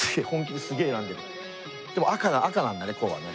でも赤赤なんだねコウはね。